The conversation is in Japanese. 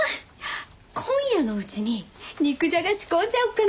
今夜のうちに肉じゃが仕込んじゃおうかな！